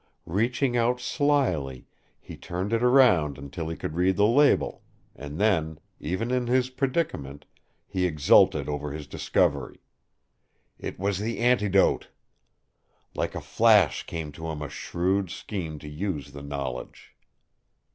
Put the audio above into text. Reaching out slyly, he turned it around until he could read the label, and then, even in his predicament, he exulted over his discovery. It was the antidote. Like a flash came to him a shrewd scheme to use the knowledge.